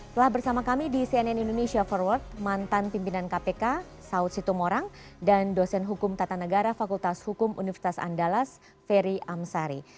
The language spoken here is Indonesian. telah bersama kami di cnn indonesia forward mantan pimpinan kpk saud situmorang dan dosen hukum tata negara fakultas hukum universitas andalas ferry amsari